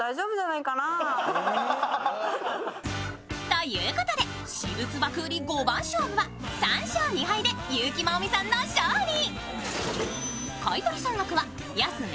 ということで、私物爆売り５番勝負は３勝２敗で優木まおみさんの勝利。